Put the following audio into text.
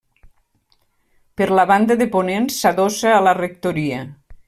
Per la banda de ponent s'adossa a la rectoria.